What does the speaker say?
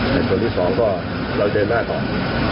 แต่ส่วนที่สองก็เราเดินมากกว่า